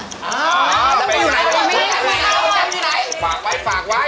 รับไว้อยู่ไหนฝากไว้